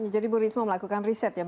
jadi bu risma melakukan riset ya